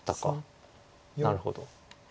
なるほど。